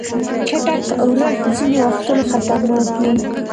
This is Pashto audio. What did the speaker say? چټک اورښت ځینې وختونه خطرناک وي.